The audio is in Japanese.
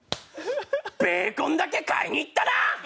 ベーコンだけ買いに行ったな！